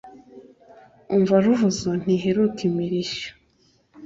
umva ruvuzo ntiheruka imirishyo